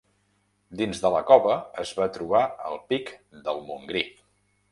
Dins de la cova es va trobar el pic del Montgrí.